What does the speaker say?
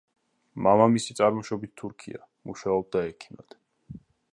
მამამისი წარმოშობით თურქია, მუშაობდა ექიმად.